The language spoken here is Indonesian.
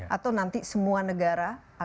atau nanti semua negara akan